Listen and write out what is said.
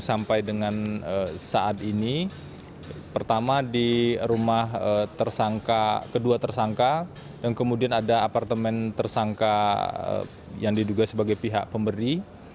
sampai dengan saat ini pertama di rumah tersangka kedua tersangka dan kemudian ada apartemen tersangka yang diduga sebagai pihak pemberi